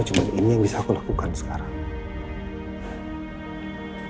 cuma ini yang bisa aku lakukan sekarang